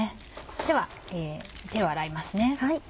では手を洗いますね。